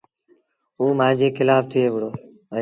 اوٚ مآݩجي کلآڦ ٿئي وهُڙو اهي۔